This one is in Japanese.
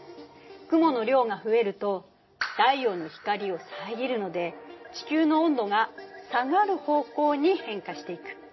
雲の量が増えると太陽の光を遮るので地球の温度が下がる方向に変化していく。